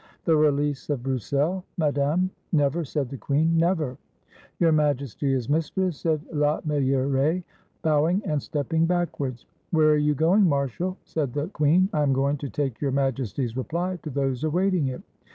" "The release of Broussel, Madame." "Never!" said the queen, "never!" "Your Majesty is mistress," said La Meilleraie, bow ing and stepping backwards. "Where are you going, Marshal?" said the queen. "I am going to take Your Majesty's reply to those awaiting it."